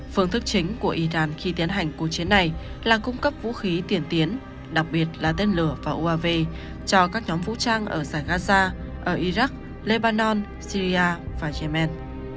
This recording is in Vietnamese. phương thức chính của iran khi tiến hành cuộc chiến này là cung cấp vũ khí tiền tiến đặc biệt là tên lửa và uav cho các nhóm vũ trang ở giải gaza ở iraq levan syria và yemen